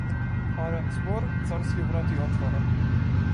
Арен збор царски врати отвора.